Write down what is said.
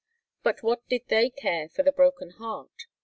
But what did they care for the broken heart?